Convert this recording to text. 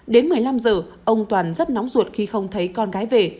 đến một mươi năm giờ ông toàn rất nóng ruột khi không thấy con gái về